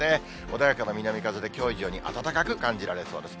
穏やかな南風で、きょう以上に暖かく感じられそうです。